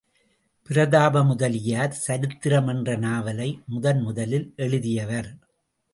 பிரதாபமுதலியார் சரித்திரம் —என்ற நாவலை முதன்முதல் எழுதியவர்.